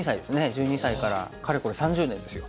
１２歳からかれこれ３０年ですよ。